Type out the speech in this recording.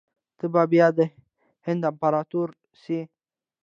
ته به بیا د هند امپراطور سې.